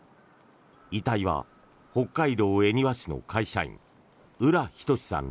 遺体は北海道恵庭市の会社員浦仁志さん